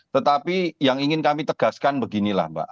tetapi yang ingin kami tegaskan beginilah mbak